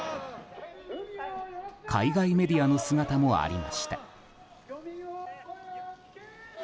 海外メディアの姿もありました。